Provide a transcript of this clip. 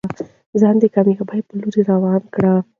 ځان د کامیابۍ په لور روان کړه.